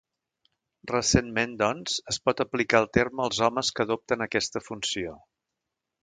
Recentment doncs es pot aplicar el terme als homes que adopten aquesta funció.